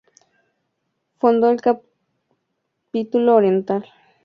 Fundó el Capítulo Oriente de la Sociedad Venezolana de Oncología, siendo su primera presidenta.